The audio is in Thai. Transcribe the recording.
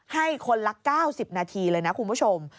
ให้คนละ๙๐นาทีเลยนะคุณผู้ชม